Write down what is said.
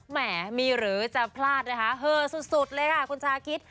แหมมีหรือจะพลาดนะคะเหอสุดเลยค่ะคุณชาคิด